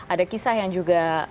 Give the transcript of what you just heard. ada kisah yang juga